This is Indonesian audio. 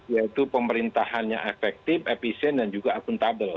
yaitu pemerintahannya efektif efisien dan juga akuntabel